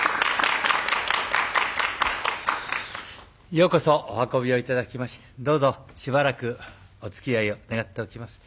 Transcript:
ようこそお運びを頂きましてどうぞしばらくおつきあいを願っておきます。